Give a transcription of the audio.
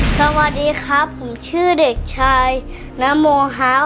สวัสดีครับผมชื่อเด็กชายนโมฮาว